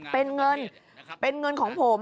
เป็นเงินเป็นเงินของผม